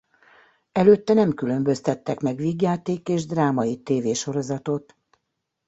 Előtte nem különböztettek meg vígjáték és drámai tévésorozatot.